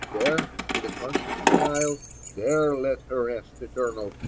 There (with a conscious smile), There let her rest eternal.